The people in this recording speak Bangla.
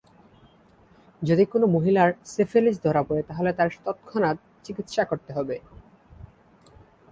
যদি কোন মহিলার সিফিলিস ধরা পড়ে তাহলে তার তৎক্ষণাৎ চিকিৎসা করতে হবে।